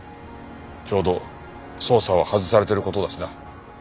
ちょうど捜査を外されてる事だしな。